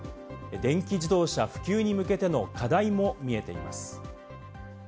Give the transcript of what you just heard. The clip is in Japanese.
電気自動車普及に向けての課題も見えています。